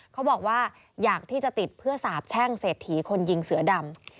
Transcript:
เขาบอกว่าอยากที่จะติดเพื่อสาบแช่งเศรษฐีคนยิงเสือดำ